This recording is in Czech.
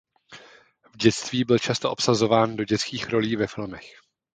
V dětství byl často obsazován do dětských rolí ve filmech.